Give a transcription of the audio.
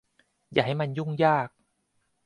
อย่าให้มันยุ่งยาก